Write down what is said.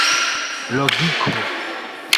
logiko